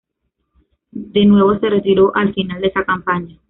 De nuevo se retiró al final de esa campaña.